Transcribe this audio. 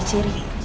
ciri ciri apa sih